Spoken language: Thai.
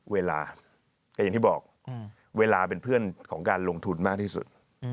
เวลาก็อย่างที่บอกเวลาเป็นเพื่อนของการลงทุนมากที่สุด